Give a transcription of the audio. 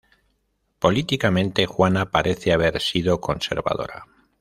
Políticamente, Juana parece haber sido conservadora.